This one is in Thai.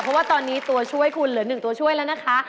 เพราะว่าตอนนี้ตัวช่วยคุณเหลือ๑ตัวช่วยแล้วนะคะ